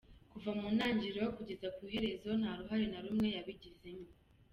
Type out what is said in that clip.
Kuva mu ntangiriro kugeza ku iherezo, nta ruhare na rumwe yabigizemo.